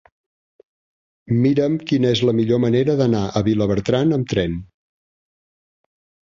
Mira'm quina és la millor manera d'anar a Vilabertran amb tren.